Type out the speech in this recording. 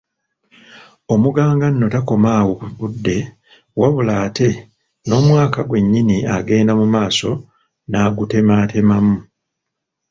Omuganga nno takoma awo ku budde wabula ate n'omwaka gwe nnyini agenda mu maaso n'agutemaatemamu